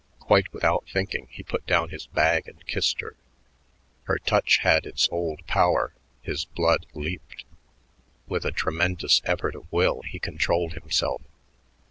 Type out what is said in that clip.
Quite without thinking, he put down his bag and kissed her. Her touch had its old power; his blood leaped. With a tremendous effort of will he controlled himself.